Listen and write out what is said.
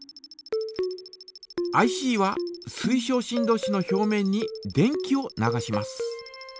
ＩＣは水晶振動子の表面に電気を流します。